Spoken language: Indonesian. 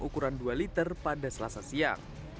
ukuran dua liter pada selasa siang